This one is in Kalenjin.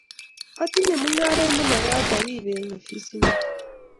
atinye mungaret ne magat arib eng' ofisinyu